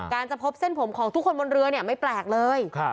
จะพบเส้นผมของทุกคนบนเรือเนี่ยไม่แปลกเลย